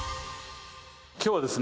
今日はですね。